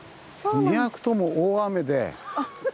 ２泊とも大雨で。